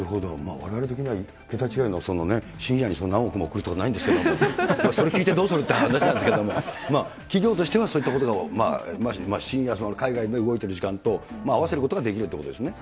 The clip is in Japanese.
われわれ的には桁違いの、深夜に何億も送るということはないんですけど、それ聞いてどうするって話なんですけれども、企業としてはそういったことが深夜、海外が動いている時間と合わせることができるということですね。